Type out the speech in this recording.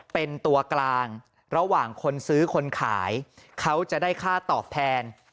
เป็นตัวกลางระหว่างคนซื้อคนขายเขาจะได้ค่าตอบแทน